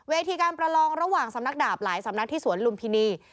ทีการประลองระหว่างสำนักดาบหลายสำนักที่สวนลุมพินี